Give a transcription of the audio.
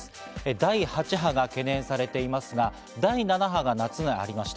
第８波が懸念されていますが、第７波が夏にありました。